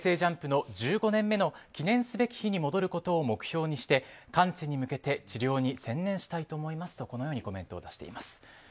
ＪＵＭＰの１５年目の記念すべき日に戻ることを目標にして完治に向けて治療に専念したいと思いますとこのようにコメントを出しています。